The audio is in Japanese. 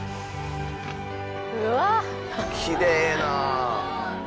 きれいな。